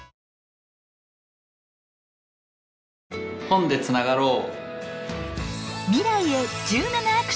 本でつながろう！